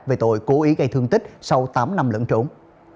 bố ý gây thương tích sau tám năm lận trụng